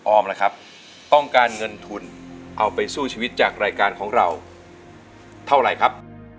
ล่ะครับต้องการเงินทุนเอาไปสู้ชีวิตจากรายการของเราเท่าไหร่ครับ